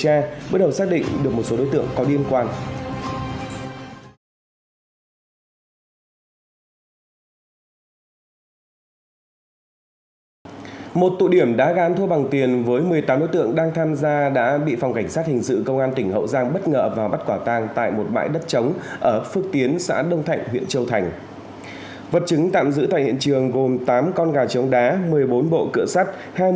hãy đăng ký kênh để nhận thông tin nhất